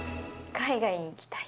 海外に行きたい。